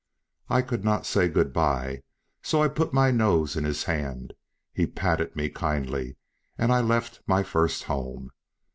I could not say "good bye," so I put my nose in his hand; he patted me kindly, and I left my first home.